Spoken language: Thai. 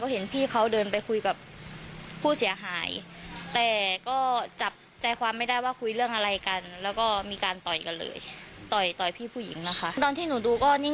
เหมือนเก็บอารมณ์ไม่อยู่